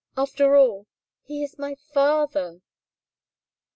"After all, he is my father."